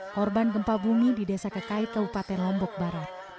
korban gempa bumi di desa kekait kabupaten lombok barat